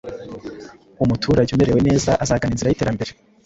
Umuturage umerewe neza, azagana inzira y’iterambere